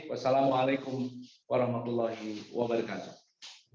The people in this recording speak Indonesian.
wassalamu'alaikum warahmatullahi wabarakatuh